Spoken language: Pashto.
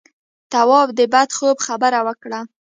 تواب د بد خوب خبره وکړه.